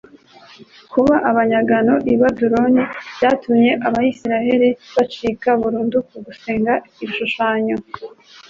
Kuba abanyagano i Babuloni byatumye Abisirayeli bacika burundu ku gusenga ibishushanyo.